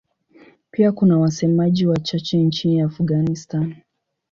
Pia kuna wasemaji wachache nchini Afghanistan.